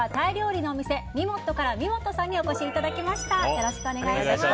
よろしくお願いします。